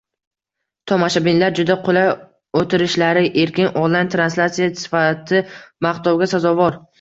Tomoshabinlar juda qulay, o'tirishlari erkin, onlayn translyatsiya sifati maqtovga sazovor